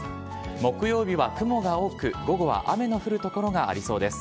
木曜日は雲が多く、午後は雨の降る所がありそうです。